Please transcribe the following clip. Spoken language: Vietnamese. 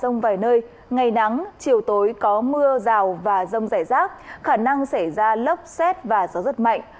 ngày nắng chiều tối có mưa rào và rông rải rác khả năng xảy ra lốc xét và gió rất mạnh